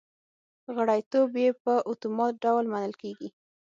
غړیتوب یې په اتومات ډول منل کېږي